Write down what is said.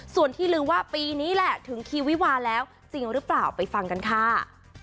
ส่วนที่ลืมว่าปีนี้แหละถึงคิววิวาแล้วจริงหรือเปล่าไปฟังกันค่ะ